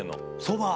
そば。